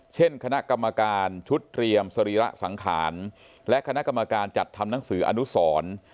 เช่นคณะกรรมการชุดเตรียมสรีระสังขารและคณะกรรมการจัดทำหนังสืออนุสร